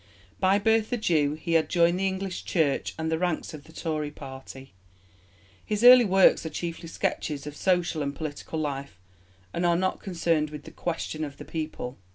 By birth a Jew, he had joined the English Church and the ranks of the Tory party. His early works are chiefly sketches of social and political life and are not concerned with the 'question of the People.'